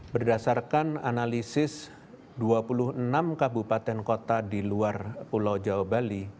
berdasarkan analisis dua puluh enam kabupaten kota di luar pulau jawa bali